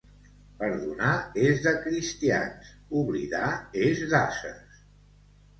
Perdonar és de cristians, oblidar és d'ases.